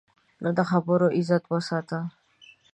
د خبرو عزت وساته